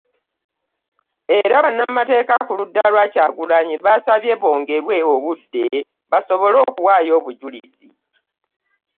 Era bannamateeka ku ludda lwa Kyagulanyi baasabye bongerwe obudde basobole okuwaayo obujulizi